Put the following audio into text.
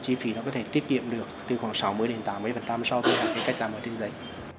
chi phí nó có thể tiết kiệm được từ khoảng sáu mươi đến tám mươi so với cái cách làm ở trên giấy